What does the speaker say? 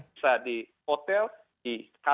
bisa di hotel di rumah di rumah